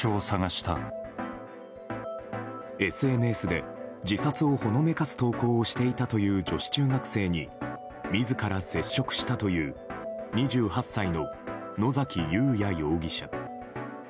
ＳＮＳで自殺をほのめかす投稿をしていたという女子中学生に自ら接触したという２８歳の、野崎祐也容疑者。